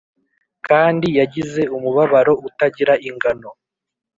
kandi yagize umubabaro utagira ingano,